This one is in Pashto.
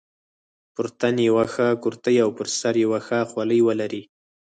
پر تن یوه ښه کورتۍ او پر سر یوه ښه خولۍ ولري.